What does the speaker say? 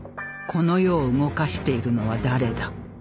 この世を動かしているのは誰だ？